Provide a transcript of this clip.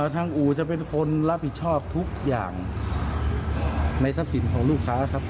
อู่จะเป็นคนรับผิดชอบทุกอย่างในทรัพย์สินของลูกค้าครับ